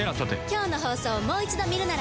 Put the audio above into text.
今日の放送をもう一度見るなら。